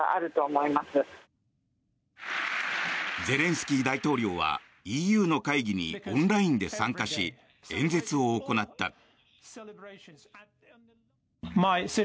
ゼレンスキー大統領はＥＵの会議にオンラインで参加し演説を行った。